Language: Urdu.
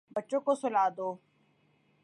بچوں کو سلا دو